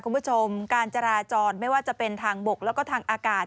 คุณผู้ชมการจราจรไม่ว่าจะเป็นทางบกแล้วก็ทางอากาศ